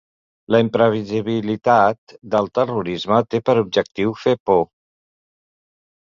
La imprevisibilitat del terrorisme té per objectiu fer por.